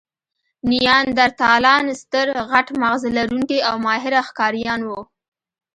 نیاندرتالان ستر، غټ ماغزه لرونکي او ماهره ښکاریان وو.